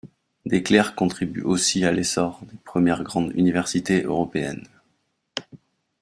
Des clercs contribuent aussi à l'essor des premières grandes universités européennes.